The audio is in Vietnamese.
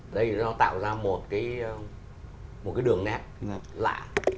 đây nó tạo ra một cái đường nét lạ